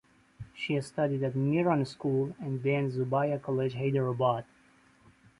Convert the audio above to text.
She studied at Miran School and then Zubaida College Hyderabad.